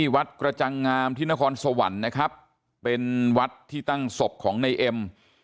วัดกระจังงามที่นครสวรรค์นะครับเป็นวัดที่ตั้งศพของในเอ็ม